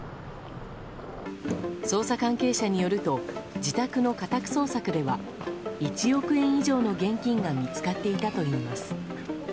捜査関係者によると自宅の家宅捜索では１億円以上の現金が見つかっていたといいます。